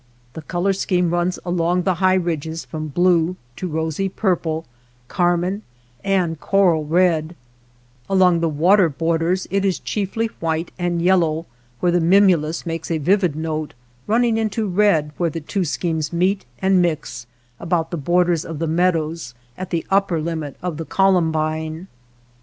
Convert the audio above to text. The color scheme runs along the high ridges from blue to rosy purple, car mine and coral red ; along the water borders it is chiefly white and yellow where the mimulus makes a vivid note, runnins: into red when the two schemes meet and mix about the borders of the meadows, at the upper limit of the columbine.